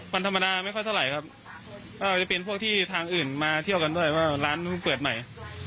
วันธรรมดาไม่ค่อยเท่าไหร่ครับก็จะเป็นพวกที่ทางอื่นมาเที่ยวกันด้วยว่าร้านนู้นเปิดใหม่